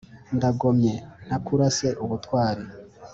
Ndagomye ntakurase ubutwari